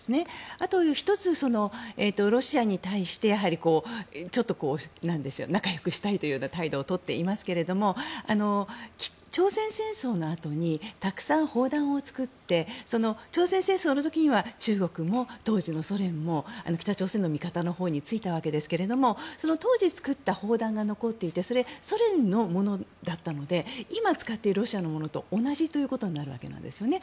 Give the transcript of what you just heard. あと、１つロシアに対してちょっと仲よくしたいという態度を取っていますが朝鮮戦争のあとにたくさん砲弾を作って朝鮮戦争の時には中国も当時のソ連も北朝鮮の味方のほうについたわけですがその当時作った砲弾が残っていてそれはソ連のものだったので今使っているロシアのものと同じということになるわけですよね。